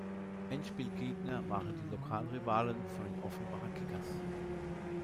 Endspielgegner waren die Lokalrivalen von den Offenbacher Kickers.